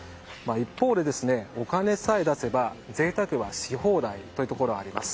一方で、お金さえ出せば贅沢はし放題というところがあります。